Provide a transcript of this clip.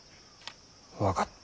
分かった。